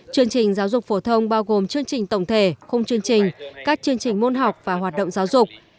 chương trình giáo dục phổ thông bao gồm chương trình tổng thể khung chương trình các chương trình môn học và hoạt động giáo dục